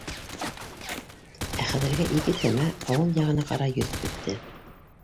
Ә хәҙергә ике кәмә ауыл яғына ҡарай йөҙөп китте.